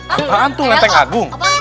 apaan tuh lepeng agung